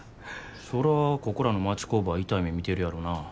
そらここらの町工場は痛い目見てるやろな。